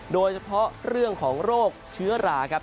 โดยเฉพาะเรื่องของโรคเชื้อราครับ